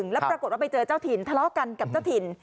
แล้วปรากฏว่าไปเจอเจ้าถิ่นทะเลาะกันกับเจ้าถิ่น